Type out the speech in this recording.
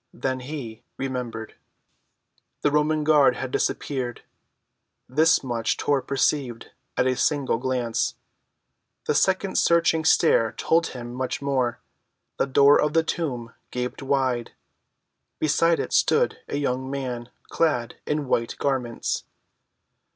Then he remembered. The Roman guard had disappeared; this much Tor perceived at a single glance. A second searching stare told him much more: the door of the tomb gaped wide, beside it stood a young man clad in white garments.